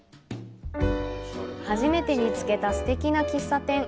初めて見つけたすてきな喫茶店。